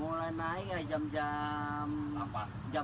mulai naik jam jam jam delapan